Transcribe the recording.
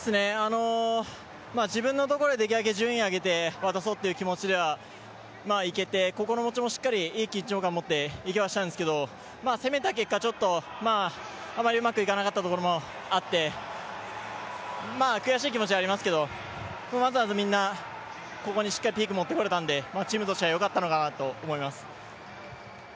自分のところでできるだけ順位を上げていこうという気持ちではいけて、心持ちもいい緊張感持っていけた気がしたんですけど攻めた結果、ちょっと、あまりうまくいかなかったところもあって悔しい気持ちはありますけどまずはみんなしっかりここにピーク持ってこれたんでチームとしてはよかったのかなと思います。